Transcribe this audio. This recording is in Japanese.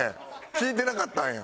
聞いてなかったんや。